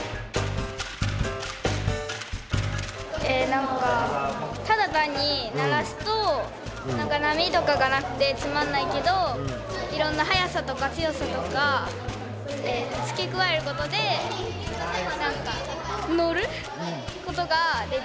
何かただ単に鳴らすと波とかがなくてつまんないけどいろんな速さとか強さとか付け加えることで何か乗ることができる。